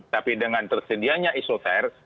tapi dengan tersedianya isoter